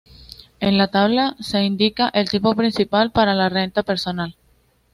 En la tabla se indica el tipo principal para la renta personal.